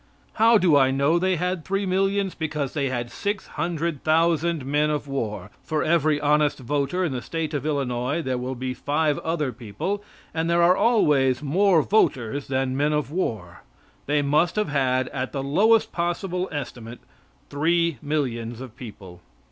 How do I know they had three millions? Because they had six hundred thousand men of war. For every honest voter in the State of Illinois there will be five other people, and there are always more voters than men of war. They must have had at the lowest possible estimate three millions of people.